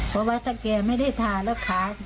เพราะวัสลีนไม่ได้ทาแล้วค่ะ